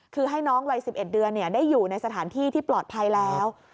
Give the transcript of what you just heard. คือให้น้องวัย๑๑เดือนได้อยู่ในสถานที่ที่ปลอดภัยแล้ว